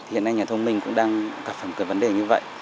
hiện nay nhà thông minh cũng đang gặp phần cờ vấn đề như vậy